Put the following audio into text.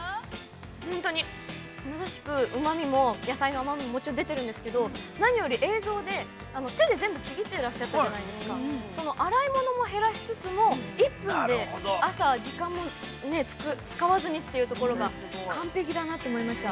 ◆本当に、まさしくうまみも野菜の甘みももちろん出てるんですけど何より映像で手で全部ちぎってらっしゃったじゃないですか洗い物も減らしつつも１分で朝、時間も使わずにというところが完璧だなと思いました。